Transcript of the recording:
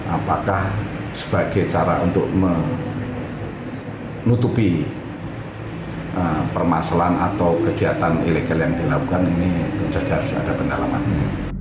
apakah sebagai cara untuk menutupi permasalahan atau kejahatan ilegal yang dilakukan ini terjadinya ada pendalamannya